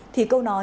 thì câu nói